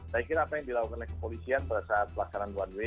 saya kira apa yang dilakukan oleh kepolisian pada saat pelaksanaan one way